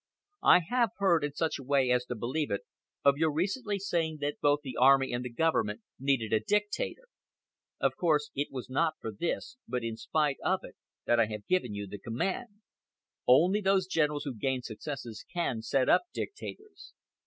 I have heard, in such a way as to believe it, of your recently saying that both the army and the Government needed a dictator. Of course it was not for this, but in spite of it, that I have given you the command. Only those generals who gain successes can set up dictators.